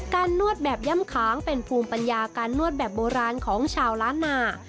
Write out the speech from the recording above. นวดแบบย่ำค้างเป็นภูมิปัญญาการนวดแบบโบราณของชาวล้านนา